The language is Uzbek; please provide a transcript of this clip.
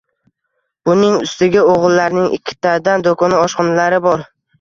Buning ustiga o`g`illarining ikkitadan do`koni, oshxonalari bor